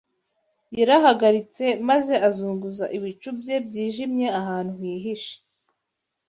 Yarahagaritse, maze azunguza ibicu bye byijimye ahantu hihishe